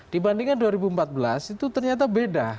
dibandingkan dua ribu empat belas itu ternyata beda